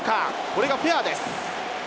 これがフェアです。